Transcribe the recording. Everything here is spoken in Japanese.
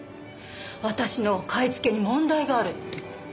私の買い付けに問題があるって。